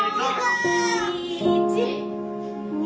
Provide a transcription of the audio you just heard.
１２。